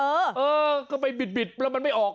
เออก็ไปบิดแล้วมันไม่ออก